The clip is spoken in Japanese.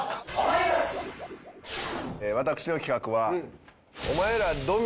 私の企画は。